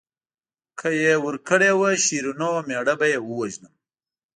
که یې ورکړې وه شیرینو او مېړه به یې ووژنم.